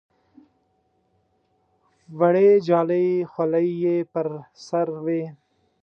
وړې جالۍ خولۍ یې پر سر وې.